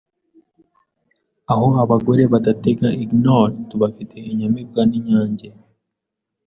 Aho abagore badatega ignore Tuhafite inyamibwa n'inyange